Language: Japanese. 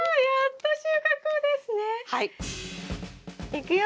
いくよ！